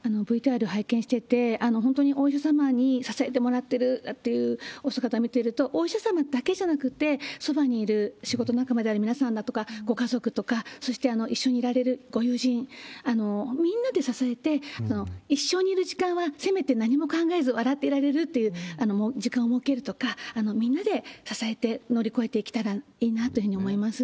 ＶＴＲ拝見してて、本当にお医者様に支えてもらってるっていう姿見てると、お医者様だけじゃなくって、そばにいる仕事仲間である皆さんだとか、ご家族とか、そして一緒にいられるご友人、みんなで支えて、一緒にいる時間はせめて何も考えず笑っていられるという時間を設けるとか、みんなで支えて乗り越えていけたらいいなというふうに思います。